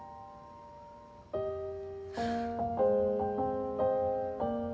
はあ。